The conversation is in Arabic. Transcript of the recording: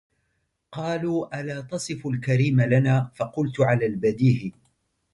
قالوا ألا تصف الكريم لنا فقلت على البديه